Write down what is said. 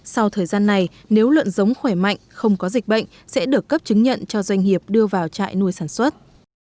sau thời gian này nếu lợn giống khỏe mạnh không có dịch bệnh sẽ được cấp chứng nhận cho doanh nghiệp đưa vào trại nuôi sản xuất